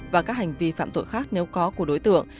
và các hành vi phạm tội khác nếu có của đối tượng